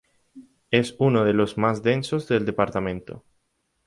Es uno de los más densos del departamento.